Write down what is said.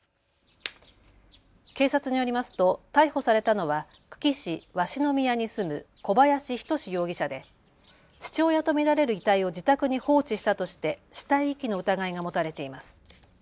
警察によりますと逮捕されたのは久喜市鷲宮に住む小林等容疑者で父親と見られる遺体を自宅に放置したとして死体遺棄の疑いが持たれています。